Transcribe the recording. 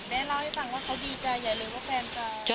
เห็นแม่เล่าให้ต่างว่าเขาดีใจใหญ่เลยว่าแฟนจะ